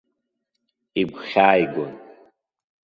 Игәхьааигон.